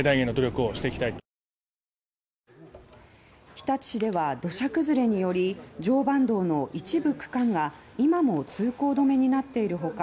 日立市では土砂崩れにより常磐道の一部区間が今も通行止めになっている他